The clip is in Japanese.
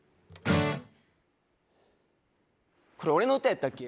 これ俺の歌やったっけ？